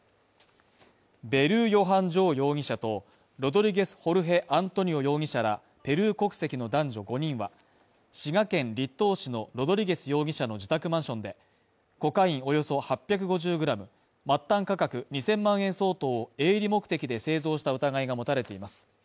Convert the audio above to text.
ベルー・ヨハン・ホー容疑者と、ロドリゲス・ホルヘ・アントニオ容疑者らペルー国籍の男女５人は、滋賀県栗東市のロドリゲス容疑者の自宅マンションで、コカインおよそ８５０ｇ、末端価格２０００万円相当を営利目的で製造した疑いが持たれています。